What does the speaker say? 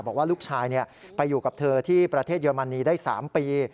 บอกว่าลูกชายไปอยู่กับเธอที่ประเทศเยอรมนีได้๓ปี